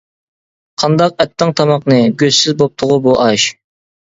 قانداق ئەتتىڭ تاماقنى، گۆشسىز بوپتىغۇ بۇ ئاش.